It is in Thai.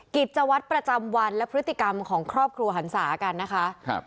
กิจวัตรประจำวันและพฤติกรรมของครอบครัวหันศากันนะคะครับ